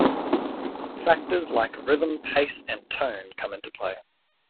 Factors like rhythm, pace, and tone come into play.